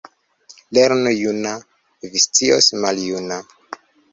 Lernu juna — vi scios maljuna.